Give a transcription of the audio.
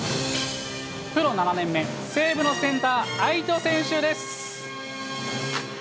プロ７年目、西武のセンター、愛斗選手です。